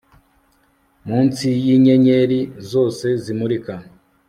Munsi yinyenyeri zose zimurika